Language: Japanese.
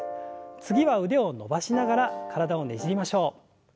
次は腕を伸ばしながら体をねじりましょう。